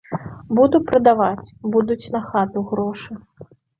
Буду прадаваць, будуць на хату грошы.